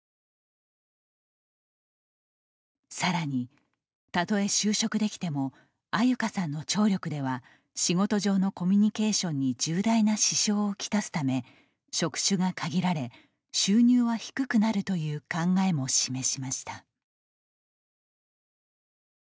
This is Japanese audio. さらに、たとえ就職できても安優香さんの聴力では仕事上のコミュニケーションに重大な支障を来すため職種が限られ、収入は低くなるという考えも示しました。